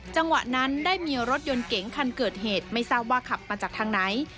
จังหวะนั้นได้มีรถยนต์เก๋งคันเกิดเหตุไม่ทราบว่าขับมาจากทางไหน